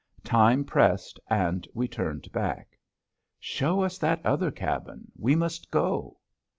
Time pressed and we turned back. "Show us that other cabin, we must go."